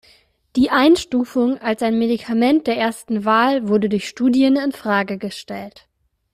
Die Einstufung als ein Medikament der ersten Wahl wurde durch Studien in Frage gestellt.